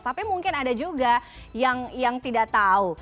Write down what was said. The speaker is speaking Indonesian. tapi mungkin ada juga yang tidak tahu